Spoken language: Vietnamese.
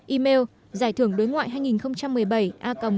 email giải thưởng đối ngoại hai nghìn một mươi bảy a gmail com